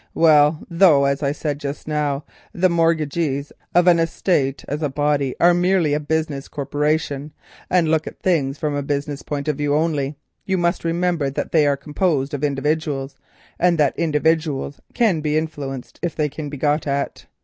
"Well, though as I said just now, the mortgagees of an estate as a body are merely a business corporation, and look at things from a business point of view only, you must remember that they are composed of individuals, and that individuals can be influenced if they can be got at.